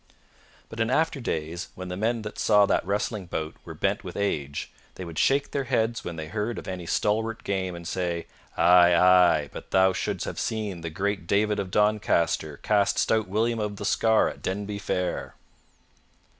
But in after days, when the men that saw that wrestling bout were bent with age, they would shake their heads when they heard of any stalwart game, and say, "Ay, ay; but thou shouldst have seen the great David of Doncaster cast stout William of the Scar at Denby fair."